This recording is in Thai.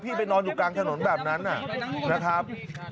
ไปนอนอยู่กลางถนนแบบนั้นนะครับ